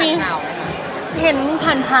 ได้รีดินาหารข่าวไหมคะ